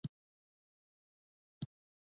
آیا موږ د خندا حق نلرو؟